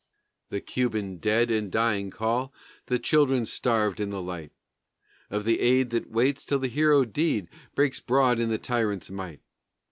The Cuban dead and the dying call, The children starved in the light Of the aid that waits till the hero deed Breaks broad on the tyrant's might.